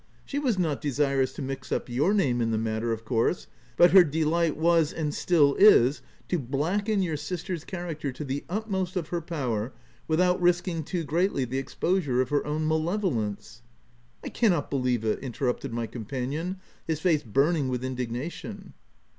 She was not desirous to mix up your name in the matter, of course, but her delight was, and still is, to blacken your sister's character to the utmost of her power without risking too greatly the exposure of her own malevolence !" w 1 cannot believe it ;" interrupted my com panion, his face burning with indignation.